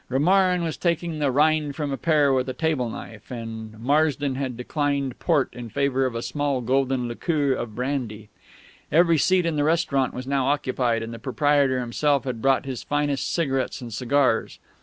Romarin was taking the rind from a pear with a table knife, and Marsden had declined port in favour of a small golden liqueur of brandy. Every seat in the restaurant was now occupied, and the proprietor himself had brought his finest cigarettes and cigars.